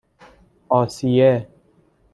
آسیه